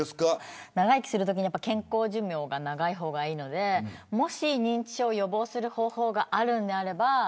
健康寿命は長い方がいいのでもし認知症を予防する方法があるのであれば。